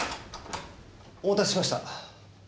お待たせしました。